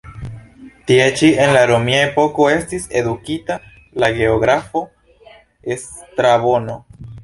Tie ĉi en la romia epoko estis edukita la geografo Strabono.